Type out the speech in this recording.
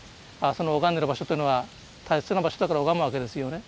その拝んでる場所というのは大切な場所だから拝むわけですよね。